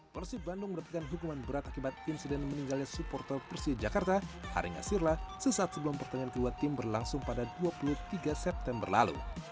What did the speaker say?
persib bandung mendapatkan hukuman berat akibat insiden meninggalnya supporter persija jakarta haringa sirla sesaat sebelum pertandingan kedua tim berlangsung pada dua puluh tiga september lalu